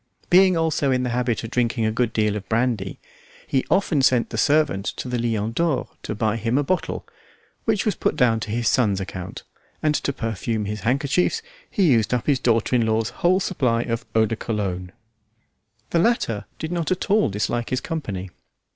Being also in the habit of drinking a good deal of brandy, he often sent the servant to the Lion d'Or to buy him a bottle, which was put down to his son's account, and to perfume his handkerchiefs he used up his daughter in law's whole supply of eau de cologne. The latter did not at all dislike his company.